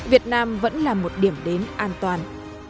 việt nam vẫn là một điểm đến an toàn